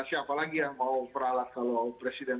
siapa lagi yang mau meralat kalau presiden